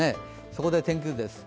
そこで天気図です。